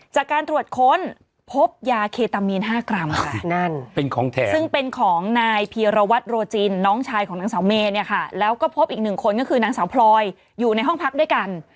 จากการตรวจค้นพบยาเคตามีน๕กรัมค่ะนั่นเป็นของแถมซึ่งเป็นของนายพีรวัตรโรจินน้องชายของนางสาวเมย์เนี่ยค่ะแล้วก็พบอีกหนึ่งคนก็คือนางสาวพลอยอยู่ในห้องพักด้วยกัน